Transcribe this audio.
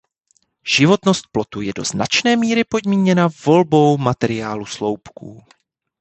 Životnost plotu je do značné míry podmíněna volbou materiálu sloupků.